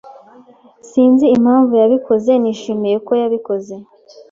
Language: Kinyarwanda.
Sinzi impamvu yabikoze. Nishimiye ko yabikoze.